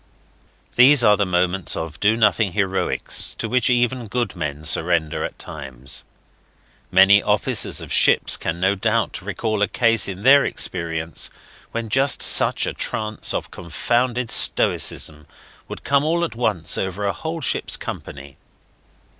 These are the moments of do nothing heroics to which even good men surrender at times. Many officers of ships can no doubt recall a case in their experience when just such a trance of confounded stoicism would come all at once over a whole ship's company.